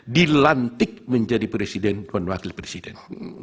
dilantik menjadi presiden dan wakil presiden